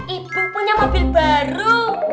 ibu punya mobil baru